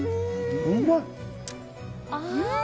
うまい。